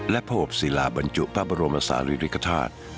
และพบศิลป์บรรจุพระบรมศาลิริฆษฐาตุ